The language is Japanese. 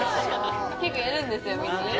結構やるんですよみんな。